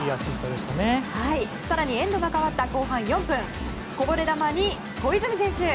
更にエンドが変わった後半４分こぼれ球に小泉選手！